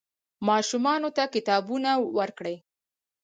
ماشومانو ته کتابونه ورکړئ.